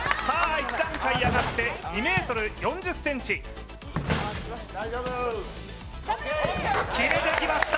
１段階上がって２ｍ４０ｃｍ決めてきました